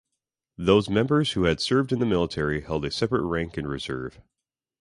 Those members who had served in the military held a separate rank in reserve.